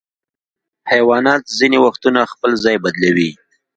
حیوانات ځینې وختونه خپل ځای بدلوي.